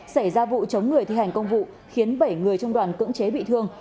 xảy ra vụ chống người thi hành công vụ khiến bảy người trong đoàn cưỡng chế bị thương